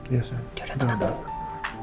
ya dia udah tenang